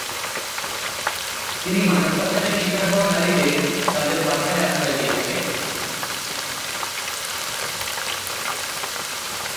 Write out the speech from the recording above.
তিনি মানব পাচারের শিকার হওয়া নারীদের তাদের বাসায় আশ্রয় দিয়ে থাকেন।